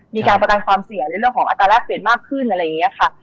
มีการประกันความเสี่ยงในเรื่องของอัตราแรกเปลี่ยนมากขึ้นอะไรอย่างนี้ค่ะ